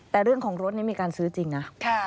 แต่เรื่องของรถนี่มีการซื้อจริงนะ